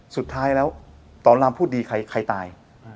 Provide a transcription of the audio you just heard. สุดท้ายแล้วตอนรามพูดดีใครตาย